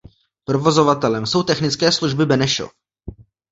Provozovatelem jsou Technické služby Benešov.